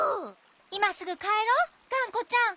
いますぐかえろうがんこちゃん。